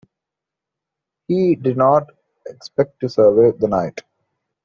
He did not expect to survive the night.